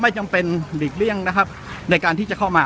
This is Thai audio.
จำเป็นหลีกเลี่ยงนะครับในการที่จะเข้ามา